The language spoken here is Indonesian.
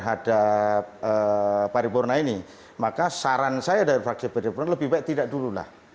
ada paripurna ini maka saran saya dari fraksi pdip dki jakarta lebih baik tidak dululah